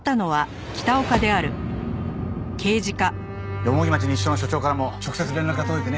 蓬町西署の署長からも直接連絡が届いてね。